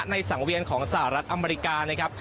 ในสังเวียนของสหรัฐอเมริกา